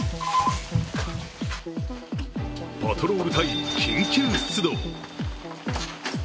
パトロール隊、緊急出動。